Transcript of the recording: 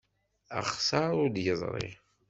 Axessar ur d-yeḍri.